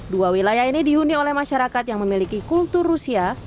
dua wilayah ini dihuni oleh masyarakat yang memiliki kultur rusia